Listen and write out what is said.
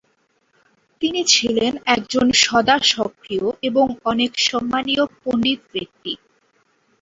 তিনি ছিলেন একজন সদাসক্রিয় এবং অনেক সম্মানীয় পণ্ডিত ব্যক্তি।